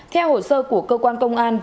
theo hồ sơ của cơ quan công an